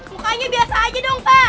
mukanya biasa aja dong pak